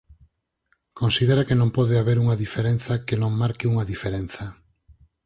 Considera que non pode haber unha diferenza que non marque unha diferenza.